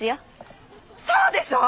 そうでしょう！